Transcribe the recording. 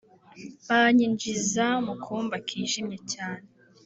banyinjiza mu kumba kijimye cyane